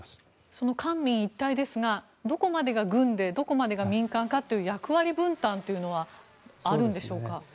その官民一体ですがどこまでが軍でどこまでが民間かという役割分担というのはあるんでしょうか。